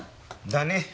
だね。